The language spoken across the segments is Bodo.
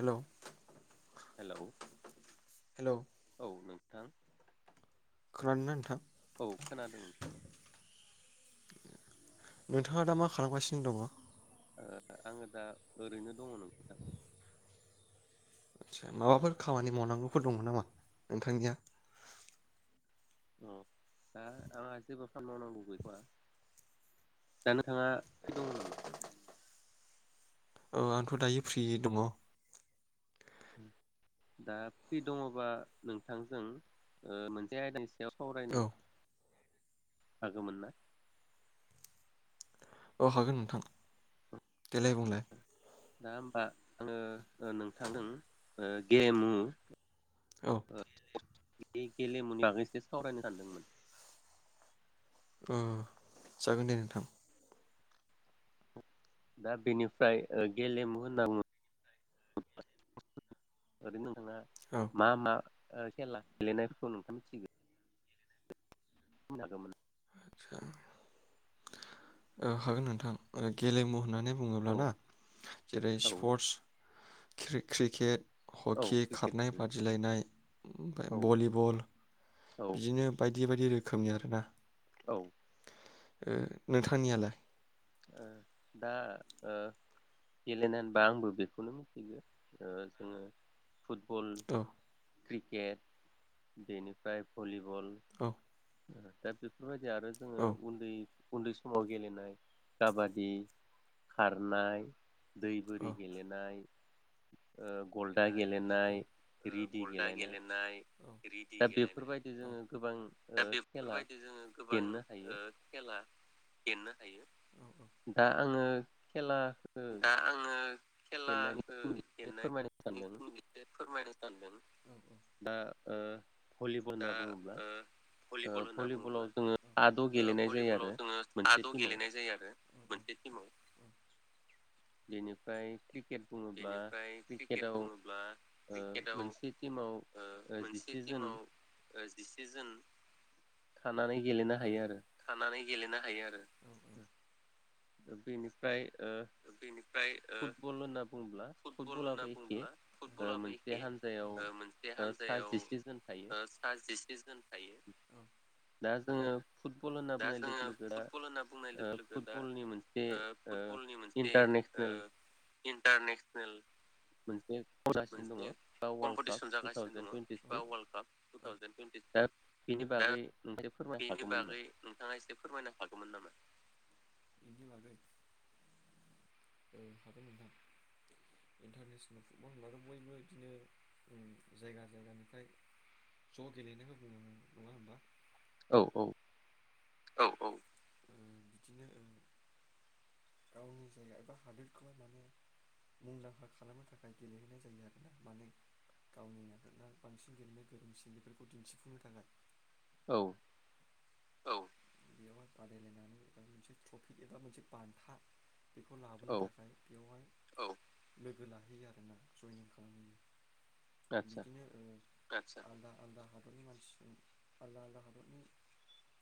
हेलौ हेलौ औ नों थां खोनादों ना नोंथां? औ खोनादों नोंथां। नोंथाङा दा मा खालामगासिनो दङ? ओ आङो दा ओरैनो दङ नोंथां। आदसा माबाफोर खामानि मावनांगौफोर दङमोन नामा नोंथांनिया? दा नोंथाङा फ्रि दङ नामा? औ आंथ दायो फ्रि दङ। दा फ्रि दङबा नोंथांजों ओ मोनसे आयदानि याव सावरायनो हागोमोन ना? औ हागोन नोंथां देलाय बुंलाय। दा होमबा आङो ओ नोंथांजों ओ गेलेमु औ बे गेलेमुनि बागैसो सावरायनो सान्दोंमोन। ओ जागोन दे नोंथां। दा बेनिफ्राय ओ गेलेमु होनना बुङो ओरैनो थाङा मा मा? ओ खेला गेलेनायफोरखौ नोंथाङा मिथिगौ? बुंजागौमोन। आदसा ओ हागोन नोंथां गेलेमु होननानै बुङोब्लाना जेरै स्पर्टस क्रि क्रिकेट हकि खारनाय बादिलायनाय ओमफ्राय भलिबल बिदिनो बायदि बायदि रो रोखोमनि आरोना। औ ओ नोंथांनियालाय? ओ दा ओ गेलेनाय होनबा आंबो बेखौनो मिथिगौ। जोङो फुट औ क्रिकेट बेनिफ्राय भलि बल दा बेफोरबायदि नो आरो जोङो उन्दै उन्दै समाव गेलेनाय काबादि, खारनाय दै बोरि गेलेनाय, ओ गलदा गेलेनाय, रिदि गेलेनाय रेदि गेलेनाय दा बेफोरबायदि जोङो गोबां ओ खेला गेननो हायो। दा आङो खेला दा आङो ओ खेलाखो गेलेनायनि एसे फोरमायनो सानदों। दा ओ भलिबल होनना बुङोब्ला भलिबलाव जोङो साद' गेलेनाय जायो आरो। मोनसे थिमाव। बेनिफ्राय क्रिकेट बुङोब्ला क्रिकेटआव ओ मोनसे टिमाव जिसे जोन थानानै गेलेनो हायो आरो। गेलेनो हायो आरो। औ दा बेनिफ्राय बेनिफ्राय ओ फुटबल होनना बुंब्ला फुटबलाबो एखे मोनसे हानजायाव ओ सा जिसे जोन थायो। दा जोङो दा जोङो फुटबल होनना बुंनाय लोगो लोगो दा ओ फुटबलनि मोनसे ओ इन्टारनेस नेल मोनसे फजासन दङ बा world cup two thousand twenty three दा बेनि बागै नोंथाङा फोरमायनो हागौमोन नामा? नोंथाङा एसे फोरमायनो हागौमोन नामा? औ हागोन दां इन्टारनेसनेल फुटबल लादों बयबो बिदिनो जायगा जायगानिफ्राय ज' गेलेनायखौ बुङो। नङा होमबा? औ औ। औ औ। गावनि जायगा एबा हादोरखौहाय माने मुंदांखा खालामनो थाखाय गेलेहोननाय जायो आरोना माने गावनि हादोरा बांसिन गेलेनो गोरोंसिन बेफोरखौ दिन्थिफुंनो थाखाय औ। औ बे बादायलायनानै मोनसे ट्रफिक एबा मोनसे बान्था बेखौ लाबोनो थाखाय बेवहाय। औ लोगो लाहैयो आरोना जयनिं खालामहैयो। बिदिनो ओ आलदा आलदा हादरनि मानसि आलदा आलदा हादरनि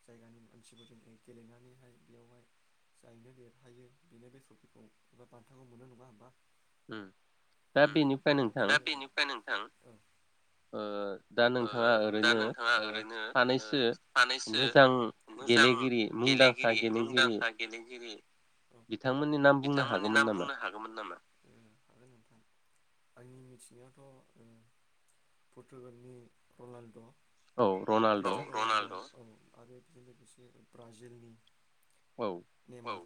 जायगानि मानसिफोरजों गेलेनानैहाय बेयावहाय जायैनो देरहायो बेनो बे ट्रफिखौ एबा बान्थाखौ मोनो नङा होमबा। दा बेनिफ्राय नोंथां ओ दा नोंथाङा ओरैनो ओ सानैसो मोजां गेलेगिरि मुंदांखा गेलेगिरि बिथांमोननि नाम बुंनो हागौमोन नामा? हागोन नोंथां आंनि मिथिनायावथ' ओ पर्टुगालनि रनालद'। औ रनाल्द'। औ आरो [unintelligible] ब्राजिलनि। [unintelligible] औ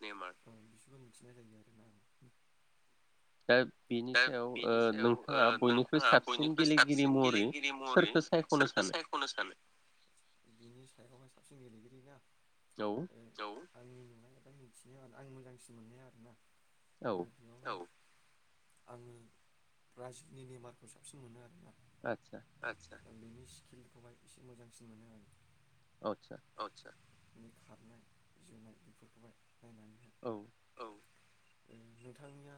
बिसोरबो मिथिनाय जायो आरोना। दा बेनि सायाव ओ नोंथाङा बयनिख्रुइ साबसिन गेलेगिरि महरै सोरखौ सायखनो सानो। [unintelligible] गेलेगिरि ना। [unintelligible] मिथिनाय आं मोजांसिन मोननाया आरो ना। औ। आङो ब्राजिलनि नेमारखौ साबसिन मोनो आरोना। आतसा। आं बिनि स्किलखौहाय एसे मोजांसिन मोनो आरो। आतसा। खारनाय जोनाय बेफोरखौहाय औ। नोंथांनिया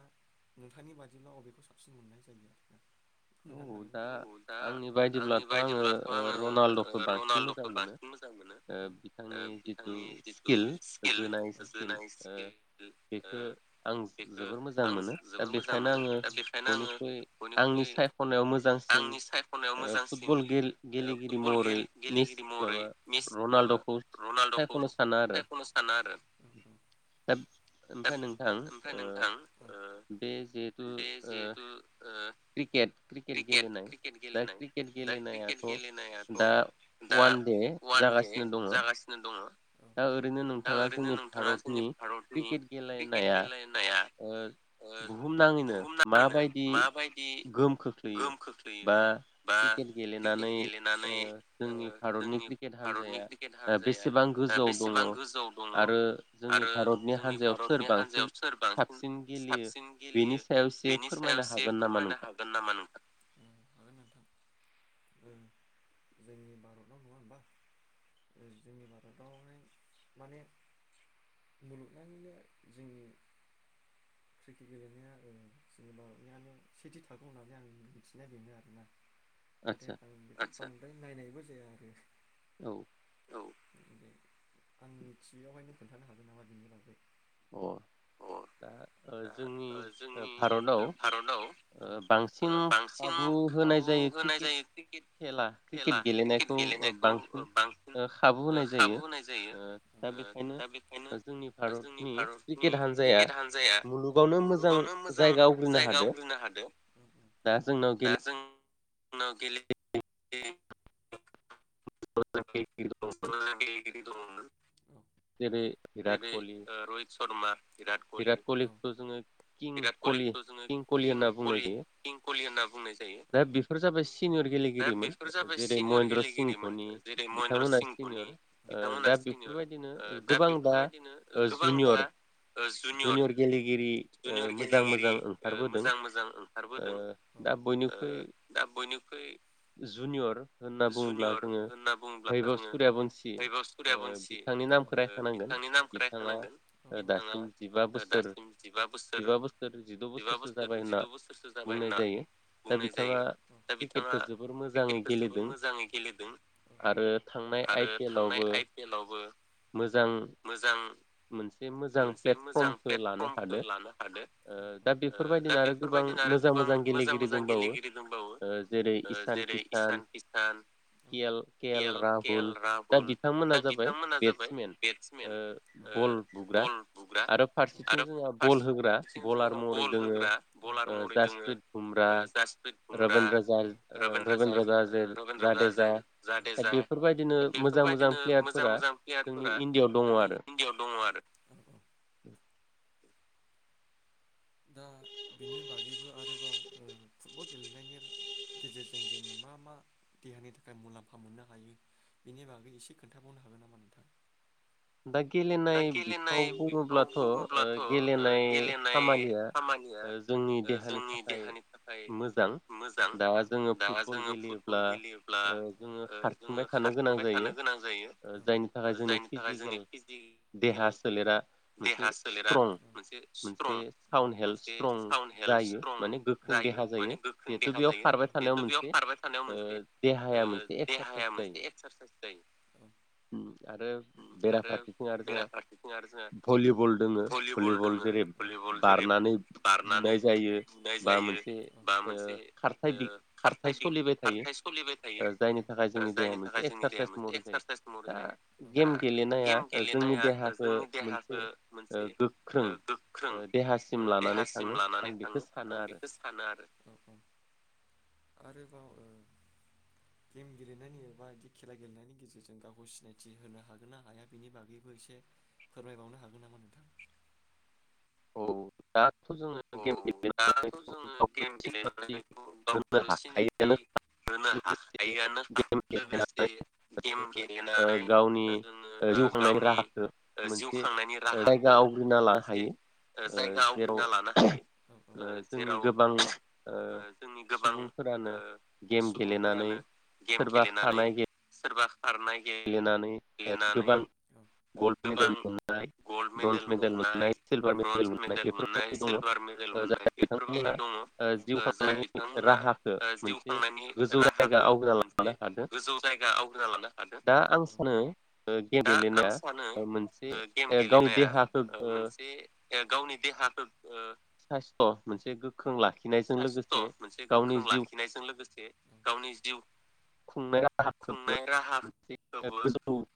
नोंथांनि बा दिब्ला अबेखौ साबसिन मोननाय जायो। औ दा आंनि बायदिब्लाथ आङो रनालडखौ बांसिन मोजां मोनो ओ बिथांनि जिथु स्किल जोनाय स्किल ओ बेखौ आं जोबोर मोजां मोनो दा बेखायनो आङो बेखायनो आङो बयनिख्रुइ खनायाव मोजांसिन ओ फुटबल गेल-गेलेगिरि महरै मिस माबा रनालडखौ सायखनो सानो आरो दा ओमफ्राय नोंथां ओ बे जिह बे जिहेतु ओ क्रिकेट गेलेनाय दा क्रिकेट गेलेनायाथ दा वान दे जागासिनो दङ। दा ओरैनो नोंथाङा जोंनि भारतनि क्रिकेट गेलेनाया बुहुमनाङैनो माबायदि गोहोम खोख बा क्रिकेट गेलेनानै ओ जोंनि भारतनि क्रिकेट हान्जाया ओ बेसेबां गोज बेसेबां गोजौ दङ आरो जोंनि भारतनि हान्जायाव सोर बांसिन साबसिन गेलेयो बेनि सायाव एसे फोरमायनो हागोन नामा नोंथां? हागोन नोंथां जोंनि भारताव नङा होमबा जोंनि भारताव माने मुलुगनाङैनो जोंनि क्रिकेट गेलेनाया ओ जोंनि भारतनियानो सेथि थाखोयाव होननानै आं मिथिनाया बेनो आरोना। नाथाय आं नायनायबो जाया आरो। औ दे आं मिथिनायावहायनो खोनथानो हागोन नामा बेनि बागै अ दा ओ जोंनि भारतआव ओ बांसिन खाबु होनाय जायो क्रिकेट खेला क्रिकेट गेलेनायखौ बांसिन खाबु होनाय जायो ओ दा बेखायनो जोंनि भारत नि किकेट हानजाया मुलुग गोबावनो मोजां जायगा आवग्रिनो हादो दा जोंनाव गेले नो गेले [unintelligible] जैरै बिराट कहलि बिराट कहलिखौ जोङो बिराट कहलिखौ‌ जोङों किं कहलि किं कहलि होनना दा बेफोर जाबाय सिनियर गेलेगिरिमोन जेरै महेन्द्र सिं धनि बिथांमोना सिनियर ओ दा बेफोरबायदिनो गोबां दा जुनियर जुनियर गेलेगिरि ओ मोजां मोजां ओंखारबोदों ओ दा बयनिखइ दा बयनिख्रुइ जुनियर होनना बुङोब्ला जोङो भैबब सुरया बंसि ओ बिथांनि नामखौ रायखानांगोन बिथाङा दासिम जिबा बोसोर जिबा बोसोर जिद' बोसोरसो जाबाय होनना बुंनाय जायो दा बिथाङा क्रिकेट जोबोर मोजाङै गेलेदों आरो थांनाय आइ पि एल आवबो मोजां मोनसे मोजां प्लेटफर्मखौ लानो हादो ओ दा बेफोरबायदिनो आरो गोबां मोजां मोजां गेलेगिरि दंबावो ओ जेरै ओ जेरै Ishan Kishan K L K L Rahul दा बिथांमोना जाबाय बेट्समेन। बल बुग्रा आरो फारसेथिं जोंहा बल होग्रा बलार महरै दोङो ओ जासप्रित हुमब्रा रबिन्द्र जा रबिन्द्र जार-जादेेजा बेफोरबायदिनो मोजां मोजां प्लेयारफोरा जोंनि इन्डियाव दङ आरो। [inaudible] दा बिनि बागैबो आरोबाव बल गेलेनायनि गेजेरजों जों मा मा देहानि थाखाय मुलाम्फा मोननो हायो बेनि बागै एसे खोन्थाबावनो हागोन नामा नोंथां? दा गेलेनाय बिफाव बुङोब्लाथ' ओ गेलेनाय खामानिया खामानिया ओ जोंनि देहानि थाखाय मोजां दा जोङो फुटबल गेलेयोब्ला ओ जोङो खारथिंबाय थानो गोनां जायो ओ जायनि था जिकेल देहा सोलेरा मोनसे स्ट्रं मोनसे थावनि मोनसे साउन हेल्थ स्ट्रं जायो माने गोख्रों देहा जायो जिहेथु बेयाव खारबाय थानायाव मोनसे ओ देहाया मोनसे एक्सारसाइस जायो। बेरा फारसेथिं आरो जोंहा जों भलिबल दोङो भलिबल जेरै बारनान बारनानै बुनाय जायो बा मोनसे ओ खारथाय खारथाय सलिबाय थायो जायनि थाखाय जोंनि देहाया मोनसे एक्सारसाइस महरै जायो दा नाया जोंनि देहाखौ मोनसे गोख्रों ओ देहा सो ओ देहासिम लानानै थाङो आं बेखौ सानो आरो नंगौ आरोबाव ओ गेम गेलेनायनि एबा बिदि खेला गेलेनायनि गेजेरजों गावखौ सिनायथि होनो हागोन ना हाया बेनि बागैबो एसे फोरमायबावनो हागोन नामा नोंथां? औ दा औ दाथ' जोङो गेम गेलेनायनै गावखौ सिनायथि होनो हाखायोआनोखा लोगोसे गेम गेलेनाय ओ जोङो गावनि ओ जिउ खांनायनि राहाखो मोनसे ओ जायगा आवग्रिना लानो हा हायो ओ जेराव ओ जोंनि गोबां ओ सुबुंफोरानो गेम गेलेनानै सोरबा गेलेनानै ओ गोबां गल्ड मेडेल मोननाय ब्रन्ज मेडेल मोननाय सिलभार मेडेल मोननाय बेफोरबायदि दङ। सिलभार मेडेल मोननाय बेफोरबायदि दङ जाय बिथांमोना ओ जिउ खांनायनि राहाखो मोनसे गोजौ जायगा आवग्रिना लानो दा आं सानो ओ गेम गेलेनाया ओ मोनसे ओ गावनि देहाखो ओ साइस्थ' मोनसे गोख्रों लाखिनायजों लोगोसे गावनि जिउ खुंनाय राहाखोबो राहा खोबो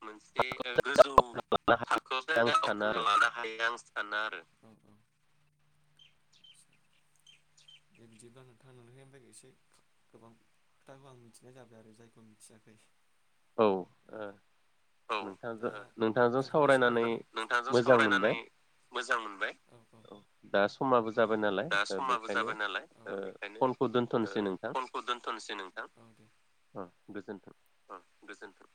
मोनसे ओ गोजौ थाखोआव जायगा आवग्रिना लानो हायो आं सा सानो आरो। दे बिदिबा नोंथां नोंथांफ्राय एसे गोबां खोथाखौ आं मिथिनाय जाबाय आरो जायखौ मिथियाखै। औ ओ नोंथजो नोंथांजों सावरायनानै मोजां मोनबाय औ दा समाबो जाबाय नालाय ओ समाबो जाबाय नालाय ओ बेखायनो ओ फनखौ दोनथनोसै नोंथां। गोजोन्थों।